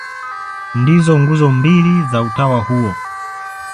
Ndizo nguzo mbili za utawa huo.